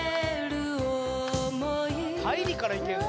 入りからいけんの？